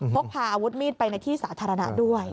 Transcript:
พกพาอาวุธมีดไปในที่สาธารณะด้วย